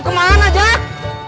kamu mau kemana jak